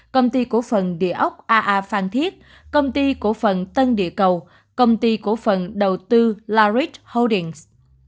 công ty cổ phần địa ốc aa phan thiết công ty cổ phần tân địa cầu công ty cổ phần đầu tư larich holdings